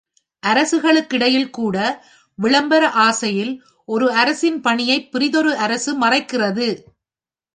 அரசுகளுக்கிடையில்கூட விளம்பர ஆசையில் ஒரு அரசின் பணியைப் பிறிதொரு அரசு மறைக்கிறது.